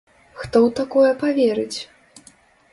Хто ў такое паверыць?